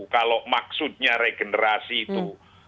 kalau maksudnya regenerasi itu